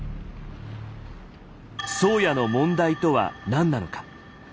「宗谷」の問題とは何なのか。